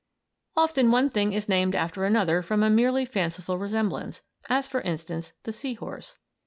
Often one thing is named after another from a merely fanciful resemblance, as, for instance, the "sea horse."